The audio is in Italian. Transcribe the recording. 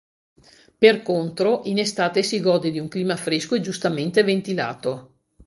Per contro in estate si gode di un clima fresco e giustamente ventilato.